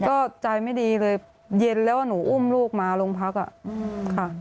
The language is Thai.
ก็ใจไม่ดีเลยเย็นแล้วหนูอุ้มลูกมาโรงพักอ่ะค่ะ